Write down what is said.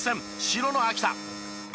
白の秋田。